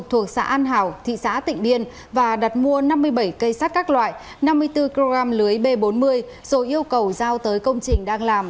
thuộc xã an hảo thị xã tịnh biên và đặt mua năm mươi bảy cây sắt các loại năm mươi bốn kg lưới b bốn mươi rồi yêu cầu giao tới công trình đang làm